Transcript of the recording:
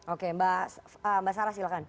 oke mbak sarah silahkan